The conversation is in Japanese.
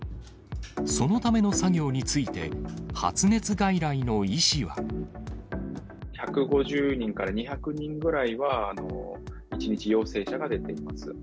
そのための作業について、１５０人から２００人ぐらいは、１日陽性者が出ています。